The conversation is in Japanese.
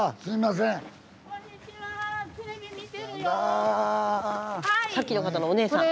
スタジオさっきの方のお姉さん。